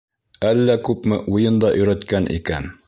Әллә күпме уйын да өйрәткән икән.